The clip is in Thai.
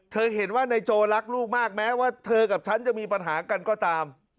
เห็นว่านายโจรักลูกมากแม้ว่าเธอกับฉันจะมีปัญหากันก็ตาม